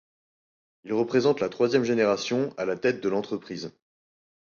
Il représente la troisième génération à la tête de l'entreprise.